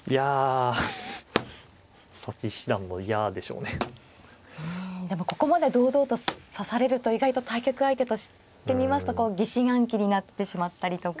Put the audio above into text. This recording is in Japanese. うんでもここまで堂々と指されると意外と対局相手としてみますとこう疑心暗鬼になってしまったりとか。